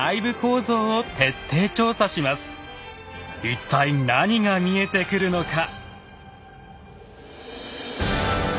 一体何が見えてくるのか。